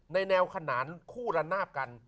ในแนวขนานคู่ละนาบกัน